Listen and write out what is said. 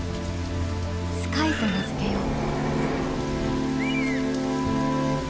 「スカイ」と名付けよう。